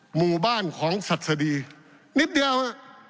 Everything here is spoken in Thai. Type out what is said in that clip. หมู่บ้านของสัตว์สดีนิดเดียวอะ